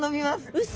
うそ！